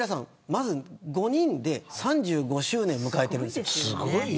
まず５人で３５周年を迎えてるんですよ。